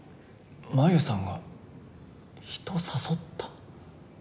真夢さんが人を誘った？